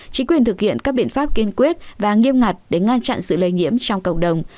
chính quyền thực hiện các biện pháp kiên quyết và nghiêm ngặt để ngăn chặn sự lây nhiễm trong cộng đồng